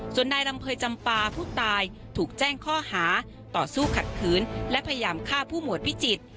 ส่วนนายลำเภยจำปาผู้ตายถูกแจ้งข้อหาต่อสู้ขัดขืนและพยายามฆ่าผู้หมวดพิจิตร